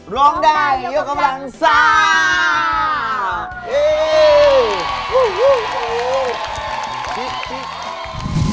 ร้องด้ายกำลังสาร์